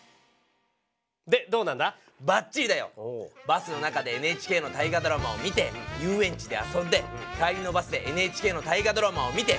バスの中でＮＨＫの「大河ドラマ」を見て遊園地で遊んで帰りのバスでＮＨＫの「大河ドラマ」を見て。